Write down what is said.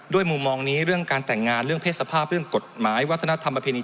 มุมมองนี้เรื่องการแต่งงานเรื่องเพศสภาพเรื่องกฎหมายวัฒนธรรมประเพณี